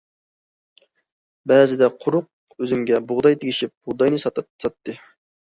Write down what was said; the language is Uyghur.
بەزىدە قۇرۇق ئۈزۈمگە بۇغداي تېگىشىپ، بۇغداينى ساتتى.